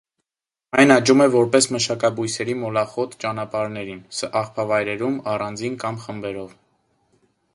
Այն աճում է որպես մշակաբույսերի մոլախոտ, ճանապարհներին, աղբավայրերում, առանձին կամ խմբերով։